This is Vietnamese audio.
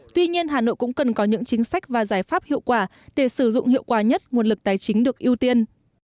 tuy nhiên hà nội cũng cần có những chính sách và giải pháp hiệu quả để sử dụng hiệu quả nhất nguồn lực tài chính được ưu tiên